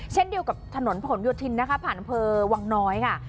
เช่นเดียวกับถนนผลโยธินนะคะผ่านอำเภอวังน้อยค่ะ